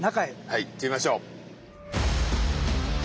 はい行ってみましょう。